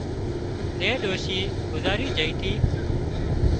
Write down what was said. زي ڏوشي گذارِي جھئي تِي